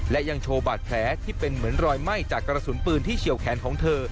และยังโชว์บาดแผลที่เป็นเหมือนรอยไหม้จากกระสุนปืนที่เฉียวแขนของเธอ